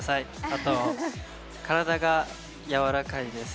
あと、体が柔らかいです。